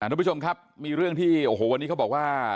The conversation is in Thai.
ทุกผู้ชมครับมีเรื่องที่โอ้โหวันนี้เขาบอกว่า